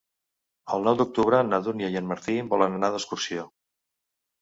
El nou d'octubre na Dúnia i en Martí volen anar d'excursió.